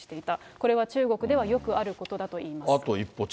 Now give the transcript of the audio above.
これは中国ではよくあることだといいます。